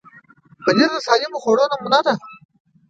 پنېر د سالمو خوړو نمونه ده.